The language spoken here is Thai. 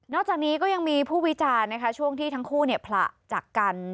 จากนี้ก็ยังมีผู้วิจารณ์นะคะช่วงที่ทั้งคู่ผละจากกัน